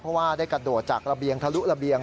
เพราะว่าได้กระโดดจากระเบียงทะลุระเบียง